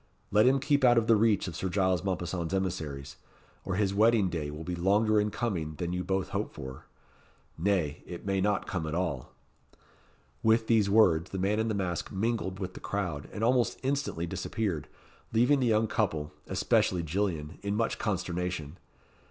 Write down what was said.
Let him keep out of the reach of Sir Giles Mompesson's emissaries, or his wedding day will be longer in coming than you both hope for. Nay, it may not come at all." With these words, the man in the mask mingled with the crowd, and almost instantly disappeared, leaving the young couple, especially Gillian, in much consternation.